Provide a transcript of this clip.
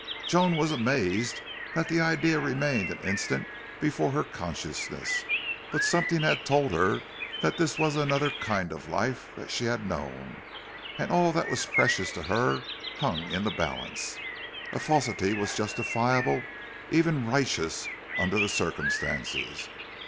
Joan was amazed that the idea remained an instant before her consciousness. But something had told her this was another kind of life than she had known, and all that was precious to her hung in the balance. Any falsity was justifiable, even righteous, under the circumstances.